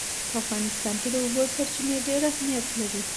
په افغانستان کې د اوبو سرچینې ډېر اهمیت لري.